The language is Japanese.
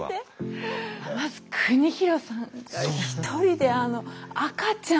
まず邦博さんが１人で赤ちゃん。